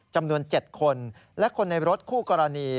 จำนวน๗คนและคนในรถคู่กรณี